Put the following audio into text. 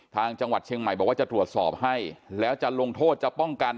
จังหวัดเชียงใหม่บอกว่าจะตรวจสอบให้แล้วจะลงโทษจะป้องกัน